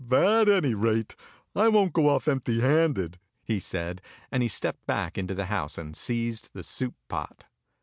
"At any rate, I won't go off empty handed," he said, and he stepped back into the house and seized the soup pot.